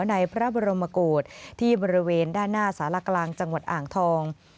ในพระบรมโกศที่บริเวณด้านหน้าสารกลางจังหวัดอ่างทอง